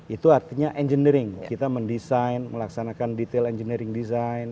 itu artinya engineering kita mendesain melaksanakan detail engineering design